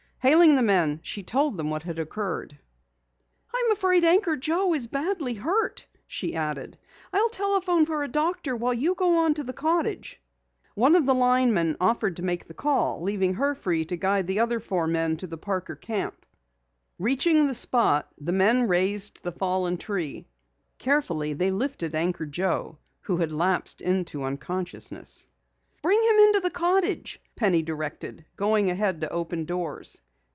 Hailing the men, she told them what had occurred. "I am afraid Anchor Joe is badly hurt," she added. "I'll telephone for a doctor while you go on to the cottage." One of the linemen offered to make the call, leaving her free to guide the other four men to the Parker camp. Reaching the spot, the men raised the fallen tree. Carefully they lifted Anchor Joe who had lapsed into unconsciousness. "Bring him into the cottage," Penny directed, going ahead to open doors.